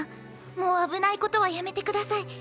もう危ないことはやめてください。